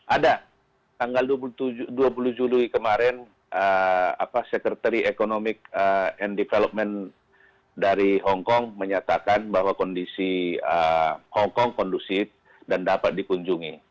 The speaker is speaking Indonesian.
ada tanggal dua puluh juli kemarin secretary economic and development dari hongkong menyatakan bahwa kondisi hongkong kondusif dan dapat dikunjungi